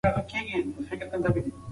هغه د درملنې دوديزې لارې منظمې کړې.